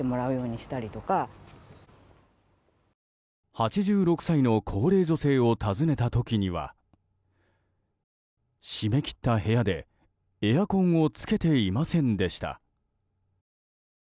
８６歳の高齢女性を訪ねた時には閉め切った部屋でエアコンをつけていませんでした。